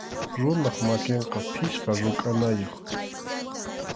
Runap makinqa pichqa rukʼanayuq.